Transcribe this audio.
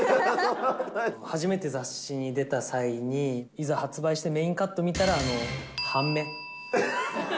初めて雑誌に出た際に、いざ発売してメインカット見たら、半目。